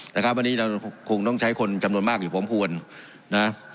นะครับวันนี้เราคงต้องใช้คนจำนวนมากอยู่พร้อมควรนะ